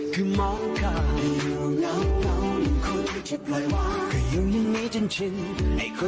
ทำไมไม่รออีก